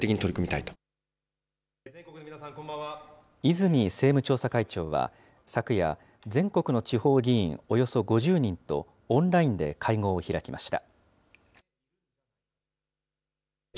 泉政務調査会長は、昨夜、全国の地方議員およそ５０人とオンラインで会合を開きました。